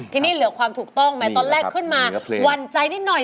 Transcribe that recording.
ทีนี้เหลือความถูกต้องไหมตอนแรกขึ้นมาหวั่นใจนิดหน่อย